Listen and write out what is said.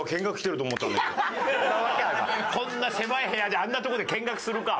こんな狭い部屋であんなとこで見学するか！